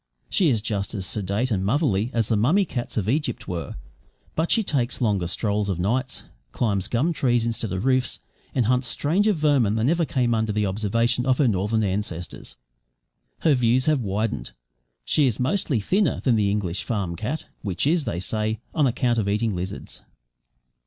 She is just as sedate and motherly as the mummy cats of Egypt were, but she takes longer strolls of nights, climbs gum trees instead of roofs, and hunts stranger vermin than ever came under the observation of her northern ancestors. Her views have widened. She is mostly thinner than the English farm cat which is, they say, on account of eating lizards.